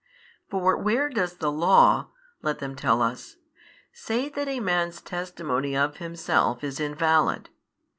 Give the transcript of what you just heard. For where does the Law (let them tell us) say that a man's testimony of himself is invalid?